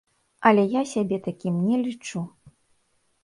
Але я сябе такім не лічу.